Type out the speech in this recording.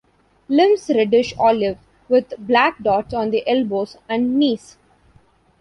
Limbs reddish olive, with black dots on the elbows and knees.